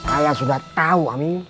ayah sudah tahu